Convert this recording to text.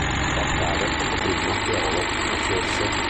Ciò accadde poco prima che Olof nascesse.